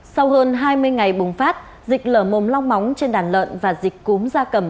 sau hơn hai mươi ngày bùng phát dịch lở mồm long móng trên đàn lợn và dịch cúm da cầm